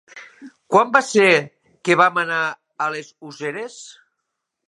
Quan va ser que vam anar a les Useres?